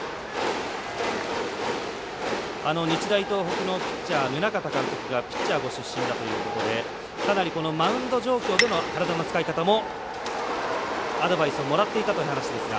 日大東北のピッチャー宗像監督がピッチャーご出身だということでかなりマウンド状況での体の使い方もアドバイスをもらっていたという話です。